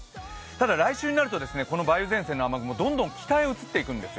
ただ来週になるとこの梅雨前線の雨雲どんどん北へ移っていきます。